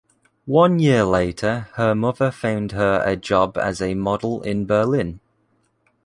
One year later her mother found her a job as a model in Berlin.